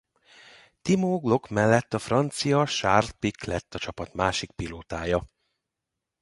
Timo Glock mellett a francia Charles Pic lett a csapat másik pilótája.